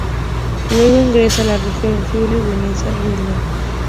Luego ingresa a la región Friuli-Venezia Giulia.